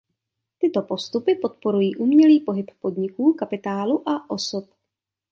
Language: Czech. Tyto postupy podporují umělý pohyb podniků, kapitálu a osob.